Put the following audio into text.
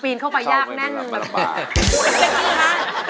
เป็นจริงหรือคะ